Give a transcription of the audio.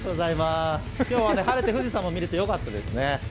今日は晴れて、富士山も見れてよかったですね。